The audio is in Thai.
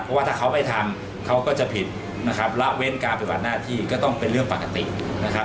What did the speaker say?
เพราะว่าถ้าเขาไม่ทำเขาก็จะผิดนะครับละเว้นการปฏิบัติหน้าที่ก็ต้องเป็นเรื่องปกตินะครับ